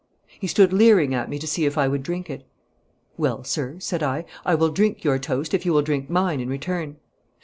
He stood leering at me to see if I would drink it. 'Well, sir,' said I, 'I will drink your toast if you will drink mine in return.'